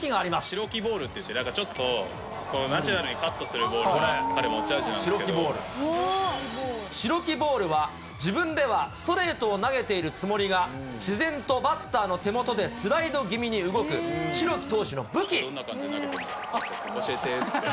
シロキボールといって、なんかちょっとナチュラルにカットするボールが彼、持ち味なんでシロキボールは、自分ではストレートを投げているつもりが、自然とバッターの手元でスライド気味に動く、どんな感じで投げてるか、教えてって言って。